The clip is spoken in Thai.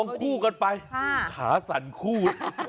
คู่กันไปขาสั่นคู่